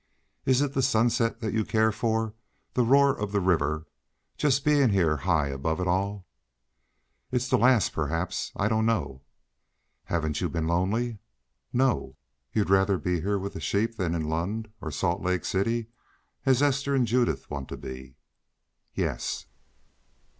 "Is it the sunset that you care for, the roar of the river, just being here high above it all?" "It's that last, perhaps; I don't know." "Haven't you been lonely?" "No." "You'd rather be here with the sheep than be in Lund, or Salt Lake City, as Esther and Judith want to be?" "Yes."